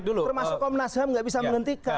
termasuk komnas ham nggak bisa menghentikan